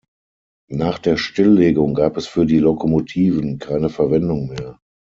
Nach der Stilllegung gab es für die Lokomotiven keine Verwendung mehr.